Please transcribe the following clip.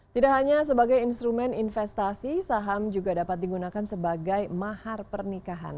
tidak hanya sebagai instrumen investasi saham juga dapat digunakan sebagai mahar pernikahan